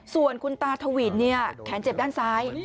ส่วนคุณตาทวินแขนเจ็บด้านซ้าย